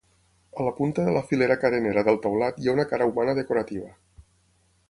A la punta de la filera carenera del teulat hi ha una cara humana decorativa.